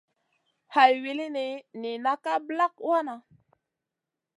Hay wulini nina ka ɓlak wanaʼ.